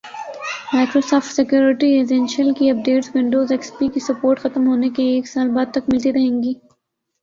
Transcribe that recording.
Microsoft security essentials کی updates Windows X P کی support ختم ہونے کے ایک سال بعد تک ملتی رہیں گی